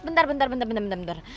bentar bentar bentar bentar bentar